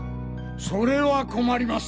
それは困ります！